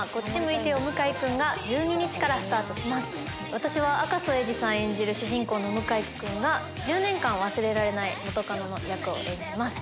私は赤楚衛二さん演じる主人公の向井君が１０年間忘れられない元カノの役を演じます。